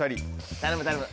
頼む頼む。